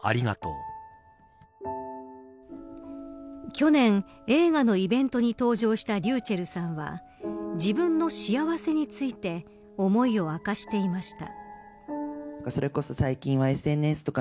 去年、映画のイベントに登場したｒｙｕｃｈｅｌｌさんは自分の幸せについて思いを明かしていました。